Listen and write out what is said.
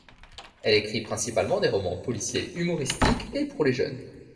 Elle écrit principalement des romans policiers humoristiques et pour les jeunes.